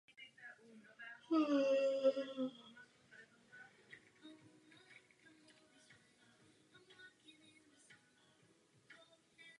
Na okraji obce pramení potok Nachal Cipori.